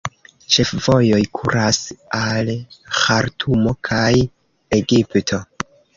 Ĉefvojoj kuras al Ĥartumo kaj Egipto.